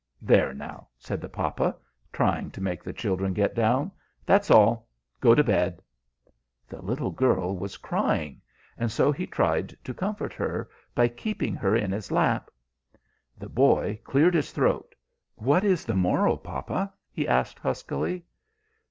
There, now," said the papa, trying to make the children get down, "that's all. Go to bed." The little girl was crying, and so he tried to comfort her by keeping her in his lap. The boy cleared his throat. "What is the moral, papa?" he asked, huskily.